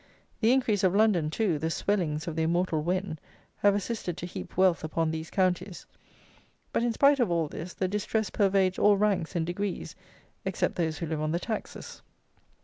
The increase of London, too, the swellings of the immortal Wen, have assisted to heap wealth upon these counties; but, in spite of all this, the distress pervades all ranks and degrees, except those who live on the taxes.